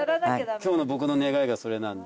今日の僕の願いがそれなんで。